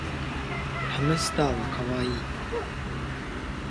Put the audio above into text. ハムスターはかわいい